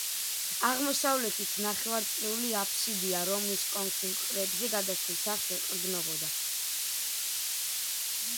აღმოსავლეთით ნახევარწრიული აფსიდია, რომლის კონქი მხრებზე გადასულ თაღს ეყრდნობოდა.